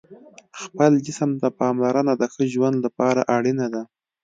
خپل جسم ته پاملرنه د ښه ژوند لپاره اړینه ده.